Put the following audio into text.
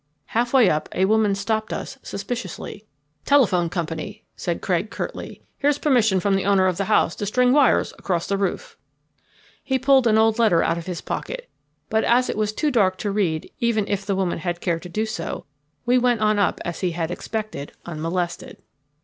Half way up a woman stopped us suspiciously. "Telephone company," said Craig curtly. "Here's permission from the owner of the house to string wires across the roof." He pulled an old letter out of his pocket, but as it was too dark to read even if the woman had cared to do so, we went on up as he had expected, unmolested.